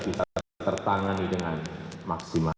bisa tertangani dengan maksimal